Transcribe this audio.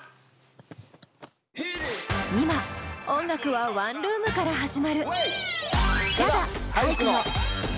今音楽はワンルームから始まる。